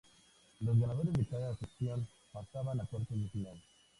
Los ganadores de cada sección pasaban a cuartos de final.